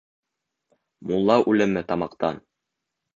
Мулла үлеме тамаҡтан